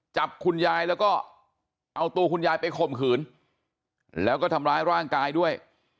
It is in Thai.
จับคุณยายแล้วก็เอาตัวคุณยายไปข่มขืนแล้วก็ทำร้ายร่างกายด้วย